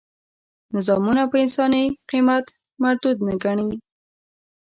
نظامونه په انساني قیمت مردود نه ګڼي.